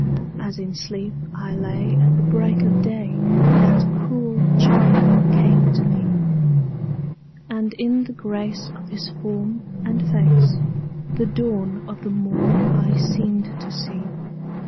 As in sleep I lay at the break of day that cruel charmer came to me, And in the grace of his form and face the dawn of the morn I seemed to see.